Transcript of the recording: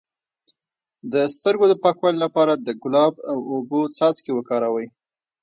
د سترګو د پاکوالي لپاره د ګلاب او اوبو څاڅکي وکاروئ